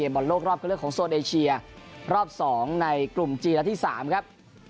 บอลโลกรอบเข้าเลือกของโซนเอเชียรอบ๒ในกลุ่มจีนและที่๓ครับ